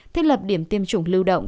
thiết lập điểm tiêm chủng lưu động